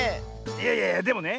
いやいやいやでもね